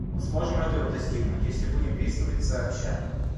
Мы сможем этого достигнуть, если будем действовать сообща.